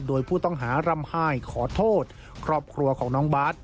โดยผู้ต้องหารำไห้ขอโทษครอบครัวของน้องบาท